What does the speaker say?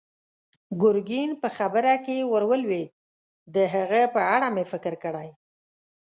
ګرګين په خبره کې ور ولوېد: د هغه په اړه مې فکر کړی.